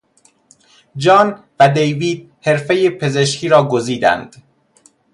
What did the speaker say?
جان و دیوید حرفهی پزشکی را گزیدند.